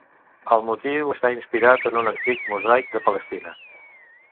El motiu està inspirat en un antic mosaic de Palestina.